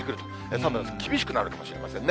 寒さが厳しくなるかもしれませんね。